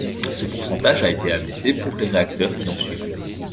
Ce pourcentage a été abaissé pour les réacteurs qui ont suivi.